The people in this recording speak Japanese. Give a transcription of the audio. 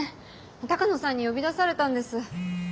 鷹野さんに呼び出されたんです。